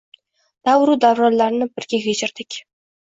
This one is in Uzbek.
Davru davronlarni birga kechirdik